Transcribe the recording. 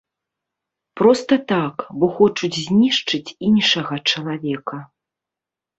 Проста так, бо хочуць знішчыць іншага чалавека.